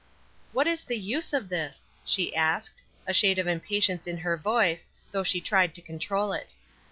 "What is the use of this?" she asked; a shade of impatience in her voice, though she tried to control it.